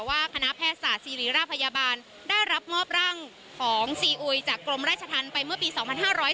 ว่าคณะแพทย์ศาสตร์สี่หรีนาภยาบานได้รับมอบร่างของซีอุยจากกรมเร็จ๕๕๐๒